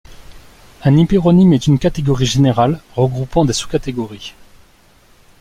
Un hyperonyme est une catégorie générale regroupant des sous-catégories.